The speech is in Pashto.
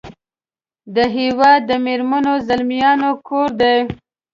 د هیواد د میړنو زلمیانو کور دی .